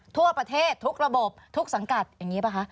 ทั่วประเทศทุกระบบทุกสังกัดอย่างนี้ป่ะคะ